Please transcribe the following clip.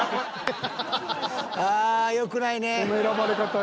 ああよくないね。